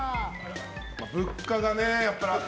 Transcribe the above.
物価がね。